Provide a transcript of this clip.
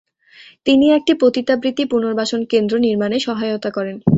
তিনি একটি পতিতাবৃত্তি পুনর্বাসন কেন্দ্র নির্মাণে সহায়তা করেন।